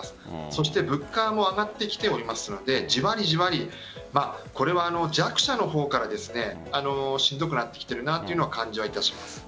そして物価も上がってきておりますのでじわりじわりこれは弱者の方からしんどくなってきているというのを感じます。